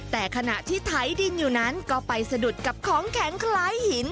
แต่ขณะที่ไถดินอยู่นั้นก็ไปสะดุดกับของแข็งคล้ายหิน